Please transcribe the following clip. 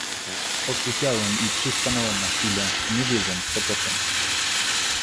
"Osłupiałem i przystanąłem na chwilę, nie wiedząc, co począć."